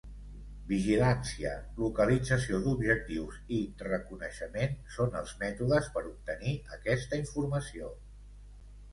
"Vigilància", "localització d'objectius" i "reconeixement" són els mètodes per obtenir aquesta informació.